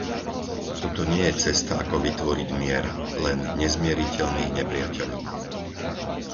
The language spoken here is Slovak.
Toto nie je cesta, ako vytvoriť mier, len nezmieriteľných nepriateľov.